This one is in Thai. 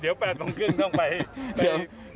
เดี๋ยว๘โมงครึ่งต้องไปใช่ไหมครับ